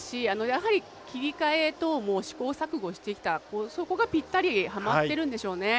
やはり、切り替え等も試行錯誤してきたそこが、ぴったりはまってるんでしょうね。